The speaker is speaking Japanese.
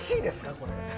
これ。